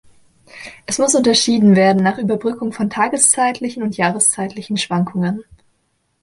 Es muss unterschieden werden nach Überbrückung von tageszeitlichen und jahreszeitlichen Schwankungen.